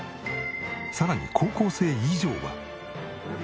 さらに高校生以上は。